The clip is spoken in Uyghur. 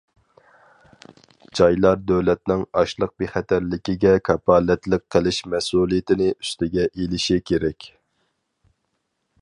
جايلار دۆلەتنىڭ ئاشلىق بىخەتەرلىكىگە كاپالەتلىك قىلىش مەسئۇلىيىتىنى ئۈستىگە ئېلىشى كېرەك.